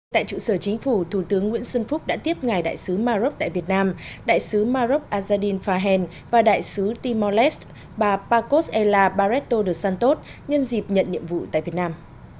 tại trụ sở chính phủ thủ tướng nguyễn xuân phúc đã tiếp ngài đại sứ maroc tại việt nam đại sứ maroc azadin fahen và đại sứ timor leste bà pacos ella bareto de santos nhân dịp nhận nhiệm vụ tại việt nam